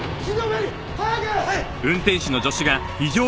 はい！